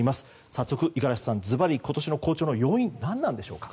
早速、五十嵐さん今年の好調の要因は何なんでしょう。